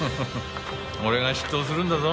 俺が執刀するんだぞ。